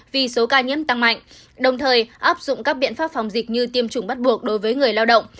vì số ca nhiễm tăng mạnh đồng thời áp dụng các biện pháp phòng dịch như tiêm chủng bắt buộc đối với người lao động